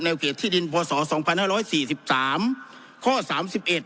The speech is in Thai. เขตที่ดินพศสองพันห้าร้อยสี่สิบสามข้อสามสิบเอ็ด